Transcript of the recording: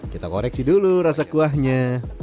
kita koreksi dulu rasa kuahnya